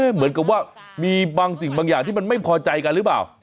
เหมือนกับว่ามีบางสิ่งบางอย่างที่มันไม่พอใจกันหรือเปล่า